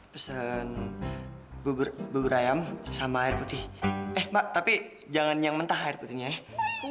pesan bubur ayam sama air putih eh mak tapi jangan yang mentah air putihnya ya